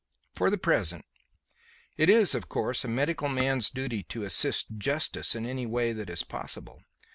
"For the present. It is, of course, a medical man's duty to assist justice in any way that is possible.